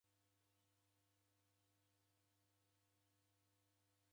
Kampuni ikushanagha.